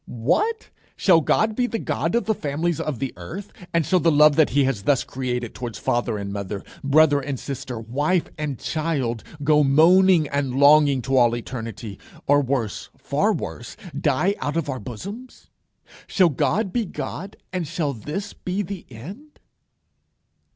What! shall God be the God of the families of the earth, and shall the love that he has thus created towards father and mother, brother and sister, wife and child, go moaning and longing to all eternity; or worse, far worse, die out of our bosoms? Shall God be God, and shall this be the end?